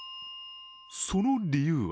その理由は